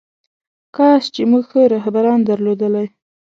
کاش چې موږ ښه رهبران درلودلی.